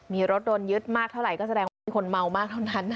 มีรถโดนยึดมากเท่าไหร่ก็แสดงว่ามีคนเมามากเท่านั้น